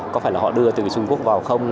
có phải là họ đưa từ người trung quốc vào không